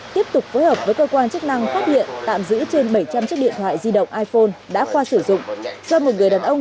tiếp tục phối hợp với cơ quan chức năng phát hiện tạm giữ trên bảy trăm linh chiếc điện thoại di động iphone đã khoa sử dụng